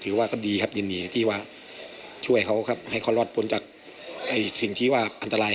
เอาชีวิตก่อนใจขึ้นอย่างงั้น